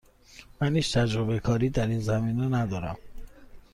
من هیچ تجربه کاری در این زمینه ندارم.